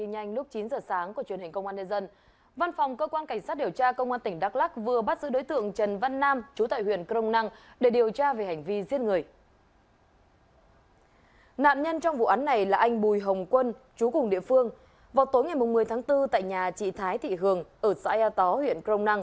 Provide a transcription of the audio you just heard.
hãy đăng ký kênh để ủng hộ kênh của chúng mình nhé